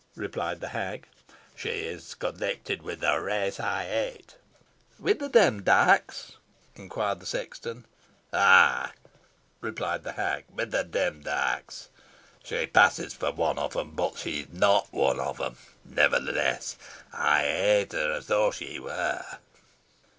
replied the hag. "She is connected with the race I hate." "Wi' the Demdikes?" inquired the sexton. "Ay," replied the hag, "with the Demdikes. She passes for one of them but she is not of them. Nevertheless, I hate her as though she were."